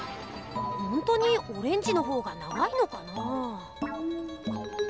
ほんとにオレンジの方が長いのかなぁ？